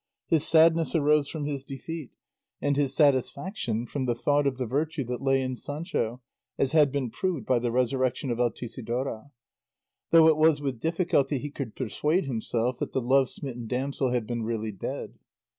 His sadness arose from his defeat, and his satisfaction from the thought of the virtue that lay in Sancho, as had been proved by the resurrection of Altisidora; though it was with difficulty he could persuade himself that the love smitten damsel had been really dead.